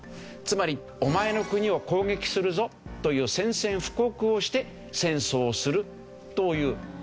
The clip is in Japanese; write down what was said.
つまり「お前の国を攻撃するぞ」という宣戦布告をして戦争をするという。